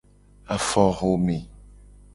Afoxome.